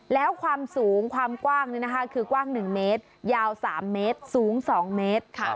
แล้วความสูงความกว้างคือกว้าง๑เมตรยาว๓เมตรสูง๒เมตร